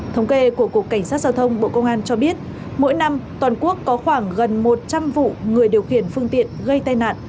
thống kê của cục cảnh sát giao thông bộ công an cho biết mỗi năm toàn quốc có khoảng gần một trăm linh vụ người điều khiển phương tiện gây tai nạn